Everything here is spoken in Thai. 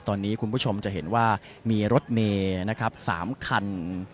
ตอนนี้คุณผู้ชมจะเห็นว่ามีรถเมย์นะครับ๓คัน